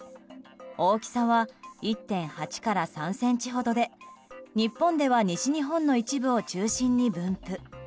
大きさは１．８から３ｃｍほどで日本では西日本の一部を中心に分布。